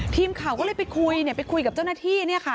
ทีมข่าวก็เลยไปคุยเนี่ยไปคุยกับเจ้าหน้าที่เนี่ยค่ะ